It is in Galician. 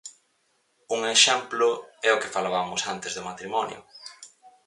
Un exemplo é o que falabamos antes do matrimonio.